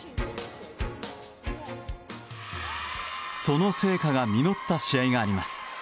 その成果が実った試合があります。